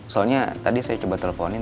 soalnya tadi saya coba teleponin